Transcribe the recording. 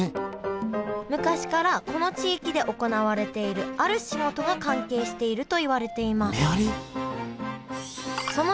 昔からこの地域で行われているある仕事が関係しているといわれていますめはり！？